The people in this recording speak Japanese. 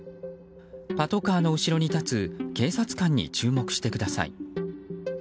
パトカーの後ろに立つ警察官に注目してください。